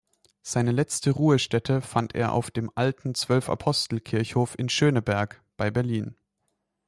Seine letzte Ruhestätte fand er auf dem Alten Zwölf-Apostel-Kirchhof in Schöneberg bei Berlin.